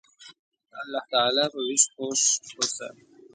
د الله تعالی په ویش خوښ اوسه.